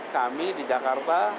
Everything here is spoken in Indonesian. kami di jakarta